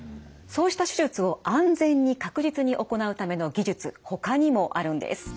そうした手術を安全に確実に行うための技術ほかにもあるんです。